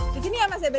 di sini ya mas ebet